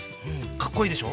かっこいいでしょ？